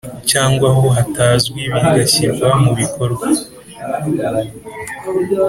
cyangwa aho hatazwi bigashyirwa mu bikorwa